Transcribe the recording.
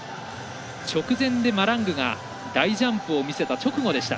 直前でマラングが大ジャンプを見せた直後でした。